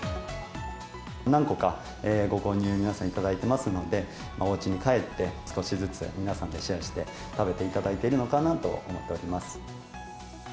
何個かご購入、皆さん、いただいていますので、おうちに帰って、少しずつ皆さんでシェアして食べていただいているのかなと思っております。